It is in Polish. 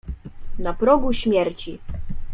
"Na progu śmierci."